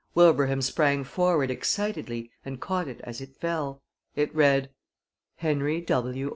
Wilbraham sprang forward excitedly and caught it as it fell. It read: HENRY W.